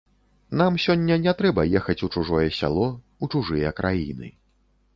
Нам сёння не трэба ехаць у чужое сяло, у чужыя краіны.